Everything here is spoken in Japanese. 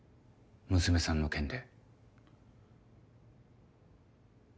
娘さんの件で。